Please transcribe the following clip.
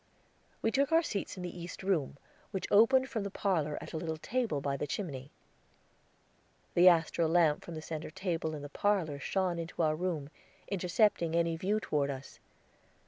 We took our seats in the East Room, which opened from the parlor, at a little table by the chimney. The astral lamp from the center table in the parlor shone into our room, intercepting any view toward us.